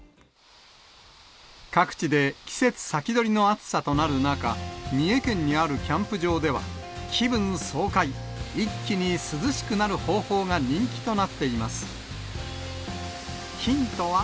各地で季節先取りの暑さとなる中、三重県にあるキャンプ場では、気分爽快、一気に涼しくなる方法が人気となっています。